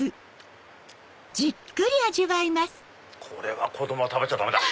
これは子供は食べちゃダメだ。